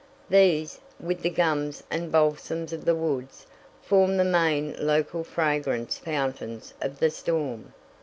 These, with the gums and balsams of the woods, form the main local fragrance fountains of the storm.